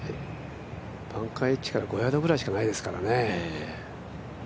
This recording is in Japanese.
バンカーエッジから５ヤードぐらいしかないですからね。